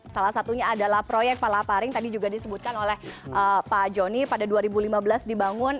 salah satunya adalah proyek palaparing tadi juga disebutkan oleh pak joni pada dua ribu lima belas dibangun